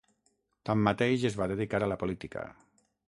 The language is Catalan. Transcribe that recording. Tanmateix es va dedicar a la política.